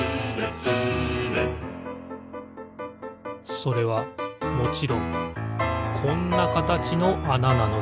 それはもちろんこんなかたちのあななのです